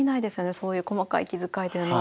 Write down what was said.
そういう細かい気遣いというのは。